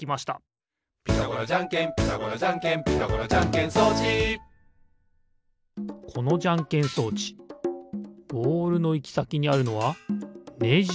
「ピタゴラじゃんけんピタゴラじゃんけん」「ピタゴラじゃんけん装置」このじゃんけん装置ボールのいきさきにあるのはネジですかね。